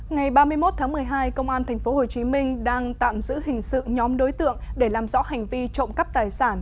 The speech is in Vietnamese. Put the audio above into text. ngày ba mươi một tháng một mươi hai công an tp hcm đang tạm giữ hình sự nhóm đối tượng để làm rõ hành vi trộm cắp tài sản